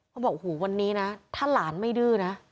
เขาบอกวันนี้นะถ้าหลานไม่ดื้อนะ